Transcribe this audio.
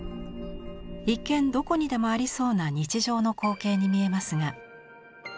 一見どこにでもありそうな日常の光景に見えますが。